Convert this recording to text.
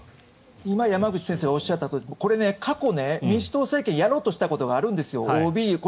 今、山口先生がおっしゃったとおり過去、民主党政権やろうとしたことがあるんですよ。